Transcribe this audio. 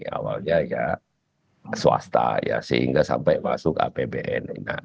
awalnya ya swasta ya sehingga sampai masuk apbn